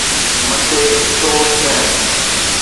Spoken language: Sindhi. مٽي stoves صحت